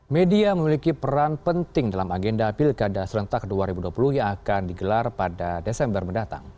media memiliki peran penting dalam agenda pilkada serentak dua ribu dua puluh yang akan digelar pada desember mendatang